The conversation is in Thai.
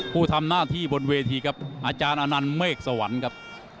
ผู้ทำหน้าที่บนเวทีครับอาจารย์อนันต์เมฆสวรรค์ครับ